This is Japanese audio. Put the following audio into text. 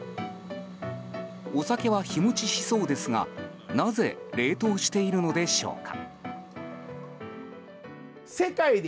お酒は日持ちしそうですがなぜ冷凍しているのでしょうか。